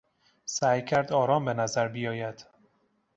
سعی کرد آرام بنظر بیاید.